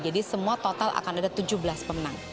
jadi semua total akan ada tujuh belas pemenang